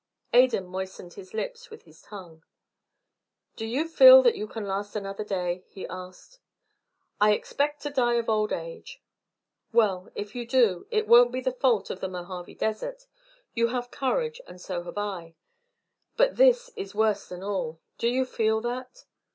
Adan moistened his lips with his tongue. "Do you feel that you can last another day?" he asked. "I expect to die of old age." "Well, if you do, it won't be the fault of the Mojave desert. You have courage, and so have I; but this is worse than all Do you feel that?"